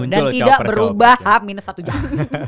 dan tidak berubah haminah satu jam